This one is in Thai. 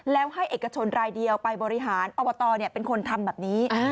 แล้วให้เอกชนรายเดียวไปบริหารอบตเป็นคนทำแบบนี้